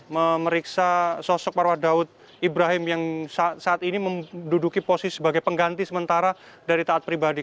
memeriksa sosok marwah daud ibrahim yang saat ini menduduki posisi sebagai pengganti sementara dari taat pribadi